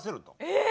え！